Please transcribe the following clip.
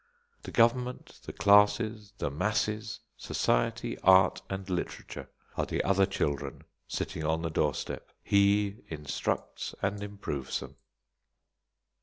The Government, the Classes, and the Masses, Society, Art, and Literature, are the other children sitting on the doorstep. He instructs and improves them.